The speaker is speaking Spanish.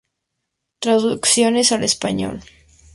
Traducciones al español.